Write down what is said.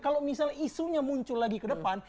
kalau misalnya isunya muncul lagi ke depan